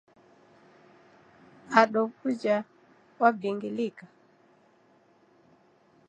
Ado w'uja wabingilika?